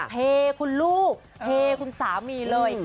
เทคุณลูกเทคุณสามีเลย